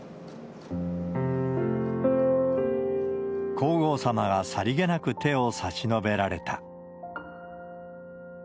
皇后さまがさりげなく手を差し伸べられた。